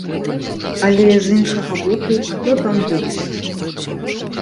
Але, з іншага боку, хто там ёсць?